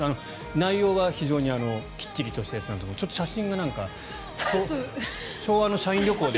内容は非常にきっちりとしたやつなんですがちょっと写真がなんか、昭和の社員旅行で。